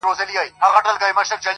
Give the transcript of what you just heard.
کورونا چي پر دنیا خپل وزر خپور کړ!